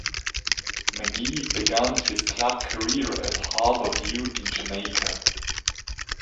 Magee began his club career at Harbour View in Jamaica.